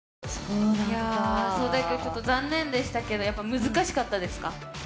壮大くんちょっと残念でしたけどやっぱ難しかったですか？